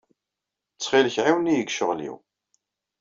Ttxil-k ɛiwen-iyi deg ccɣel-iw.